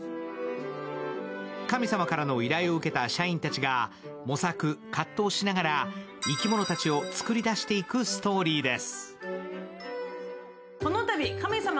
神様からの依頼を受けた社員たちが模索、葛藤しながら生き物たちを作り出していくストーリーです。